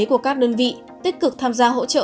của các đơn vị tích cực tham gia hỗ trợ